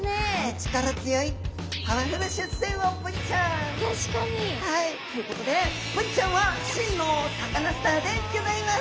力強い確かに。ということでブリちゃんは真のサカナスターでギョざいます！